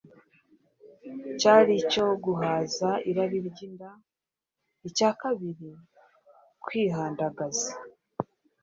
cyari icyo guhaza irari ry’inda; icya kabiri, kwihandagaza;